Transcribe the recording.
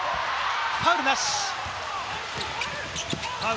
ファウルは、なし。